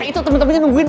itu temen temennya nungguin